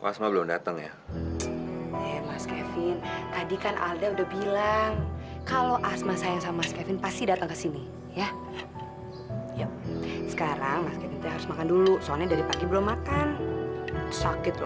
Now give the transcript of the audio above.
masma belum datang ya mas kevin tadi kan alda udah bilang kalau asma sayang sama mas kevin pasti datang ke sini ya sekarang mas kevin harus makan dulu soalnya dari pagi belum makan sakit